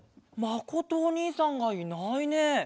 まことおにいさんがいないね。